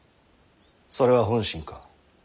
それは本心か？